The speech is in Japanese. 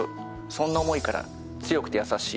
そんな思いから「強くてやさしい」